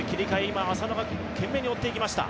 今、浅野が懸命に追っていきました